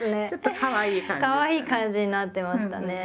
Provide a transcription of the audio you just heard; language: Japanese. かわいい感じになってましたね。